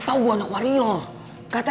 tapi belinya nasi goreng ya